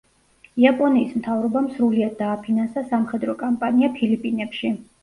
იაპონიის მთავრობამ სრულიად დააფინანსა სამხედრო კამპანია ფილიპინებში.